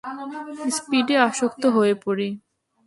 স্পীডে আসক্ত হয়ে পড়ি।